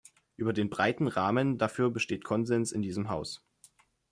Über den breiten Rahmen dafür besteht Konsens in diesem Haus.